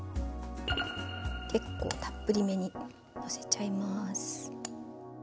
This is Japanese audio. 結構たっぷりめにのせちゃいます。